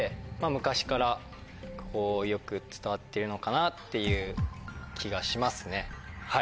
昔からよく伝わってるのかなっていう気がしますね。